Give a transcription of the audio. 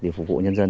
để phục vụ nhân dân